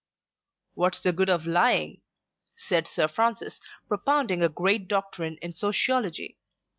"What's the good of lying?" said Sir Francis, propounding a great doctrine in sociology.